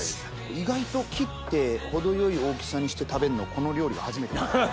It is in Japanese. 意外と切って程よい大きさにして食べるのこの料理が初めてですね。